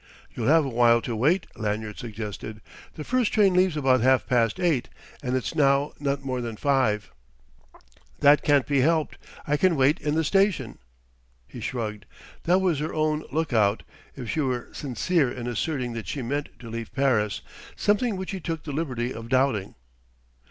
"You'll have a while to wait," Lanyard suggested. "The first train leaves about half past eight, and it's now not more than five." "That can't be helped. I can wait in the station." He shrugged: that was her own look out if she were sincere in asserting that she meant to leave Paris; something which he took the liberty of doubting.